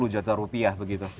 dua puluh juta rupiah begitu